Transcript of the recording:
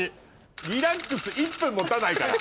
リラックス１分持たないから。